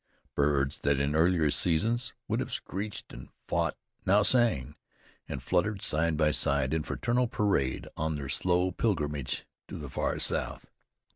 Birds that in earlier seasons would have screeched and fought, now sang and fluttered side by side, in fraternal parade on their slow pilgrimage to the far south.